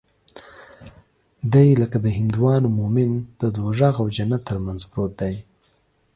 دى لکه د هندوانو مومن د دوږخ او جنت تر منځ پروت دى.